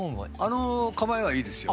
あの構えはいいですよ。